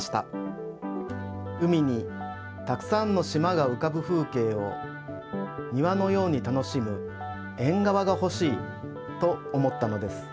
海にたくさんのしまがうかぶ風けいをにわのように楽しむえんがわがほしいと思ったのです。